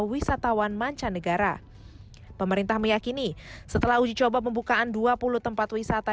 wisatawan mancanegara pemerintah meyakini setelah uji coba pembukaan dua puluh tempat wisata